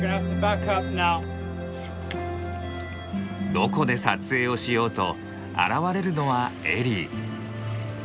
どこで撮影をしようと現れるのはエリー。